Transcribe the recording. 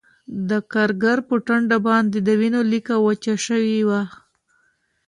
د کارګر په ټنډه باندې د وینو لیکه وچه شوې وه